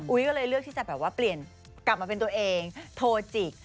ก็เลยเลือกที่จะแบบว่าเปลี่ยนกลับมาเป็นตัวเองโทรจิก